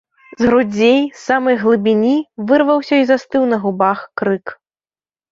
З грудзей, з самай глыбіні, вырваўся і застыў на губах крык.